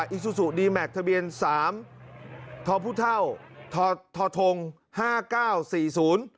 อิซูซูดีแมคทะเบียนสามทอพุเท่าทอทอทงห้าเก้าสี่ศูนย์